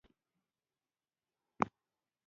افغانستان د زراعت د ودې لپاره ښه کوربه دی.